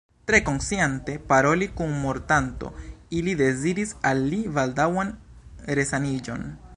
Tre konsciante paroli kun mortanto, ili deziris al li baldaŭan resaniĝon.